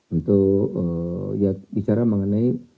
untuk ya bicara mengenai